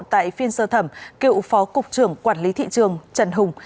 tại phiên sơ thẩm cựu phó cục trưởng quản lý thị trường trần hùng